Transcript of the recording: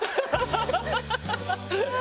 ハハハハ！